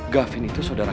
gafin itu saudaraku